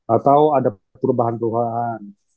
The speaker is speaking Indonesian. atau ada perubahan perubahan